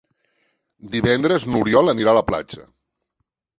Divendres n'Oriol anirà a la platja.